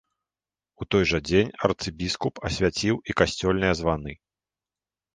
У той жа дзень арцыбіскуп асвяціў і касцёльныя званы.